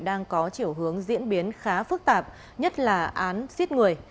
đang có chiều hướng diễn biến khá phức tạp nhất là án giết người